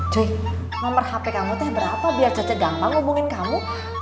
cuy nomer hp kamu teh berapa biar coca gampang hubungin kamu